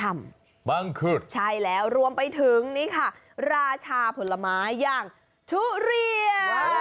บังขุดใช่แล้วรวมไปถึงนี่ค่ะราชาผลไม้อย่างทุเรียน